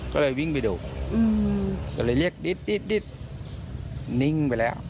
ก็เลยวิ่งไปดูตกลยเรียกอิตตุนิ่งนิ่งไปแล้ว